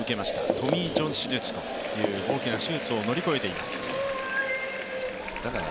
トミー・ジョン手術という大きな手術を乗り越えています。